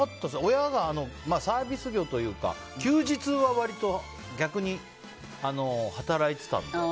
親がサービス業というか休日は割と逆に働いてたんで。